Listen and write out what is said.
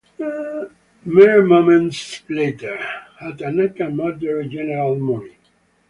Mere moments later, Hatanaka murdered General Mori.